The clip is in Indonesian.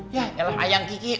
ya elah ayang kiki